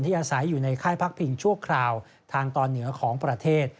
อาศัยอยู่ในค่ายพักพิงชั่วคราวทางตอนเหนือของประเทศ